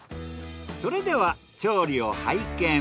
それでは調理を拝見。